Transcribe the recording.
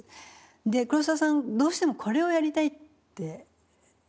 で黒澤さんどうしてもこれをやりたいって言ったんです。